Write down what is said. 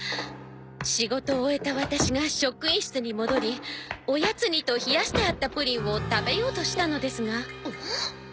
仕事を終えたワタシが職員室に戻りおやつにと冷やしてあったプリンを食べようとしたのですが。